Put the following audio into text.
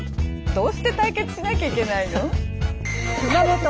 どうして対決しなきゃいけないの？